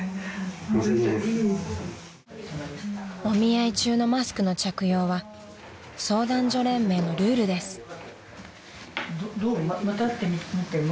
［お見合い中のマスクの着用は相談所連盟のルールです］